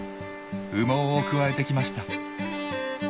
羽毛をくわえてきました。